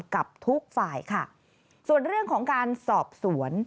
กับทุกฝ่ายค่ะส่วนเรื่องของการสอบสวน